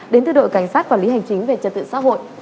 đến từ đội cảnh sát quản lý hành chính về trật tự xã hội